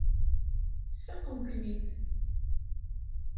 Sfaqen-ken-id.